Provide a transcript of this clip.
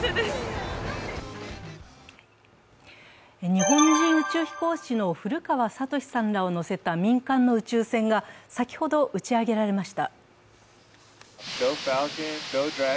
日本人宇宙飛行士の古川聡さんらを乗せた民間の宇宙船が先ほど打ち上げられました。